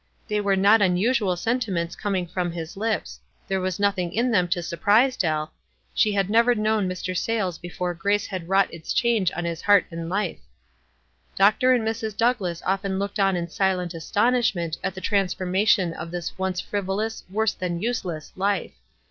They were not unusual sentiments coming from his lips, — there was nothing in them to surprise Dell, — she had never known Mr. Sayles before grace had wrought its change in his heart and life. Dr. and Mrs. Douglass often looked on in silent astonishment at the transformation of this once frivolous, worse than useless, life.